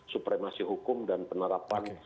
supremasi hukum dan penerapan